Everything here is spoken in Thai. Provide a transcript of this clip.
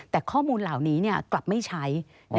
แต่ข้อมูลเหล่านี้กลับไม่ใช้